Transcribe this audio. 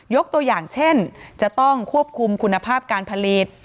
ตัวอย่างเช่นจะต้องควบคุมคุณภาพการผลิต